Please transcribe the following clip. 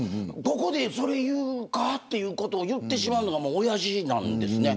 ここで、それ言うかということを言ってしまうのがおやじなんです。